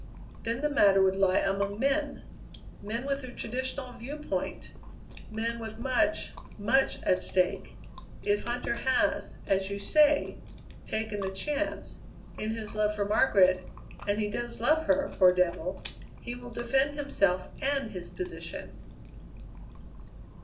Then the matter would lie among men; men with the traditional viewpoint; men with much, much at stake. If Huntter has, as you say, taken the chance, in his love for Margaret and he does love her, poor devil! he will defend himself and his position."